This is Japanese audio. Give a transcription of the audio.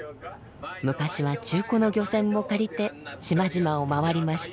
昔は中古の漁船も借りて島々を回りました。